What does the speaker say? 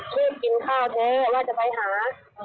ลูกกินข้าวเธอว่าจะไปหา